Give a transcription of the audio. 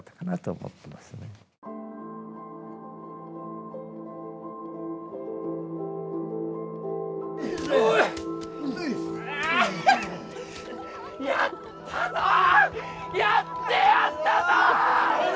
やってやったぞ！